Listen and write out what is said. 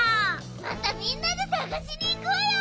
またみんなでさがしにいこうよ。